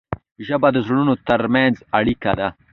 ژبه د زړونو ترمنځ اړیکه ده.